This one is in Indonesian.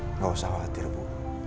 nggak usah khawatir bu